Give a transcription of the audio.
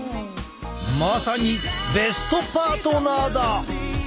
まさにベストパートナーだ！